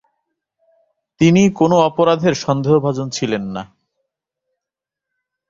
তিনি কোন অপরাধের সন্দেহভাজন ছিলেন না।